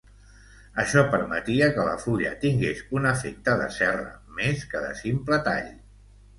Això permetia que la fulla tingués un efecte de serra més que de simple tall.